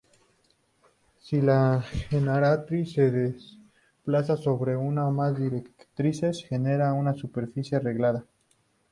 Si la generatriz se desplaza sobre una o más directrices, genera una superficie reglada.